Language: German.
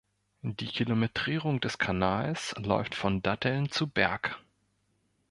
Die Kilometrierung des Kanals läuft von Datteln zu Berg.